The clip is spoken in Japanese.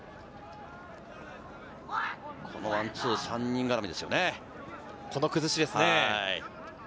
このワンツー、３人絡みですね。